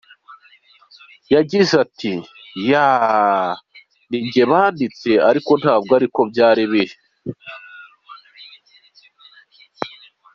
Yagize ati “Yaaa ninjye banditse ariko ntabwo ariko byari biri.